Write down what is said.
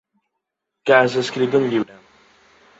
Que has escrit un llibre?